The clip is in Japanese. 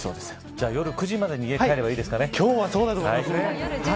じゃあ夜９時までに家に帰ればいいですかね。